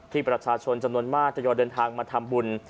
ประชาชนจำนวนมากทยอยเดินทางมาทำบุญ